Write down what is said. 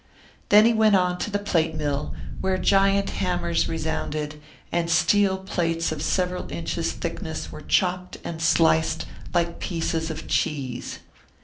Then he went on to the plate mill, where giant hammers resounded, and steel plates of several inches' thickness were chopped and sliced like pieces of cheese.